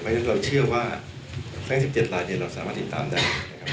เพราะฉะนั้นผมเชื่อว่าแค่๑๗ลายเราสามารถติดตามได้